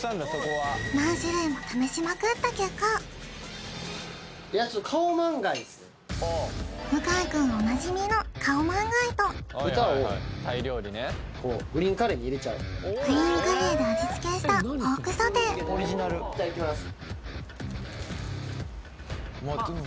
何種類もカオマンガイですね向井くんおなじみのカオマンガイと豚をグリーンカレーに入れちゃうグリーンカレーで味つけしたポークソテーいただきます